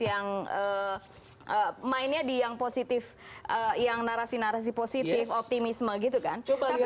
yang mainnya di yang positif yang narasi narasi positif optimisme gitu kan